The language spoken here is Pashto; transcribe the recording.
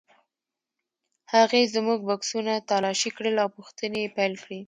هغې زموږ بکسونه تالاشي کړل او پوښتنې یې پیل کړې.